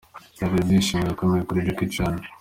Byari ibyishimo bikomeye kuri Jackie Chan.